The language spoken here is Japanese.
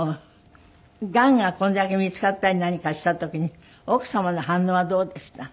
がんがこれだけ見つかったり何かした時に奥様の反応はどうでした？